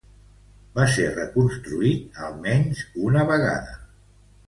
Va ser reconstruït almenys una vegada.